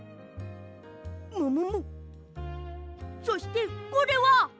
そしてこれは！？